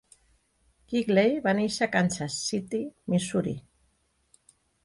Quigley va néixer a Kansas City, Missouri.